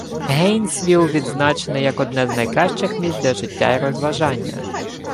Гейнсвіл відзначений як одне з найкращих місць для життя й розважання.